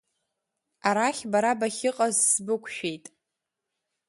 Арахь бара бахьыҟаз сбықәшәеит.